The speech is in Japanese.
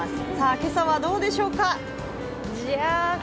今朝はどうでしょうか、ジャーン。